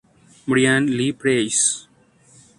Brian L. Price.